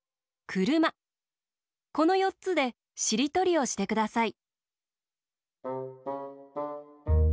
このよっつでしりとりをしてください。